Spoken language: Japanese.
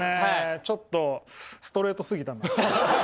ちょっとストレートすぎた。